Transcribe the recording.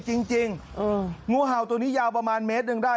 จริงงูเห่าตัวนี้ยาวประมาณเมตรหนึ่งได้